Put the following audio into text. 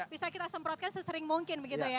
bisa kita semprotkan sesering mungkin begitu ya